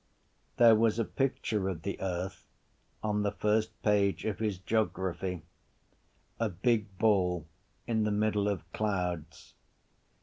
There was a picture of the earth on the first page of his geography: a big ball in the middle of clouds.